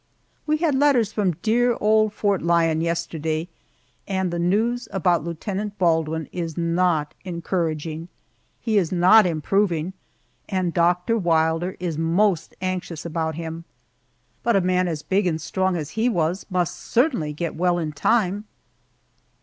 We had letters from dear old Fort Lyon yesterday, and the news about Lieutenant Baldwin is not encouraging. He is not improving and Doctor Wilder is most anxious about him. But a man as big and strong as he was must certainly get well in time.